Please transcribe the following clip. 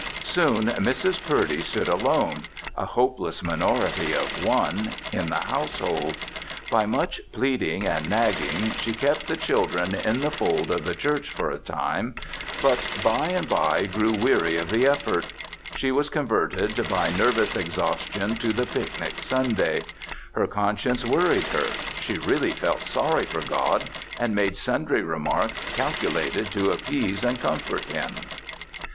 Soon Mrs. Purdy stood alone a hopeless minority of one in the household. By much pleading and nagging, she kept the children in the fold of the church for a time but, by and by, grew weary of the effort. She was converted by nervous exhaustion to the picnic Sunday. Her conscience worried her. She really felt sorry for God and made sundry remarks calculated to appease and comfort Him.